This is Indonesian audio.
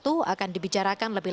tidak ada masalah